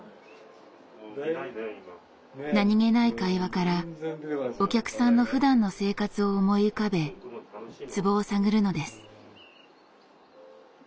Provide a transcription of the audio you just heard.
何気ない会話からお客さんのふだんの生活を思い浮かべツボを探るのです。